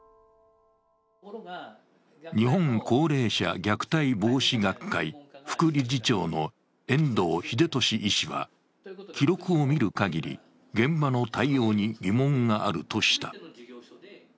日本高齢者虐待防止学会、副理事長の遠藤英俊医師は、記録を見るかぎり、現場の対応に疑問があるとした。